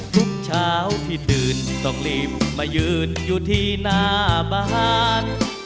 ทุกเช้าที่ตื่นต้องรีบมายืนอยู่ที่หน้าบ้าน